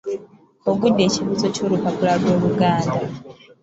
Ogudde ekibuuzo ky’olupapula lw’Oluganda